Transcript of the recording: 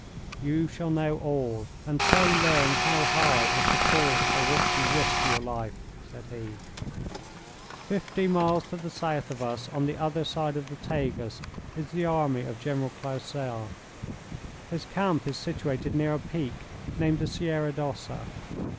"You shall know all, and so learn how high is the cause for which you risk your life," said he. "Fifty miles to the south of us, on the other side of the Tagus, is the army of General Clausel. His camp is situated near a peak named the Sierra d'Ossa.